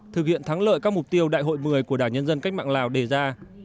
thực hiện thắng lợi các mục tiêu đại hội một mươi của đảng nhân dân cách mạng lào đề ra